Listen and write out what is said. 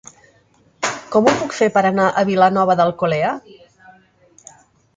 Com ho puc fer per anar a Vilanova d'Alcolea?